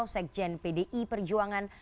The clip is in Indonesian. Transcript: sekjen pdi perjuangan